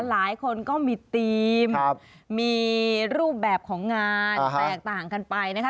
หลายคนก็มีธีมมีรูปแบบของงานแตกต่างกันไปนะคะ